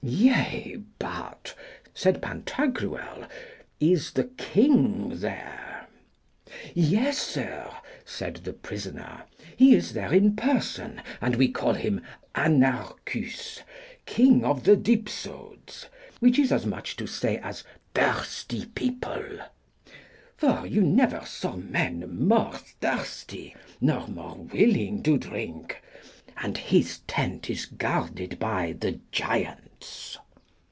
Yea but, said Pantagruel, is the king there? Yes, sir, said the prisoner; he is there in person, and we call him Anarchus, king of the Dipsodes, which is as much to say as thirsty people, for you never saw men more thirsty, nor more willing to drink, and his tent is guarded by the giants.